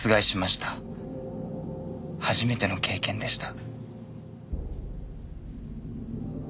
初めての経験でした。